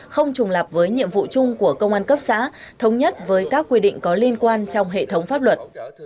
không trùng lập với nhiệm vụ chung của công an cấp xã thống nhất với các quy định có liên quan trong hệ thống pháp luật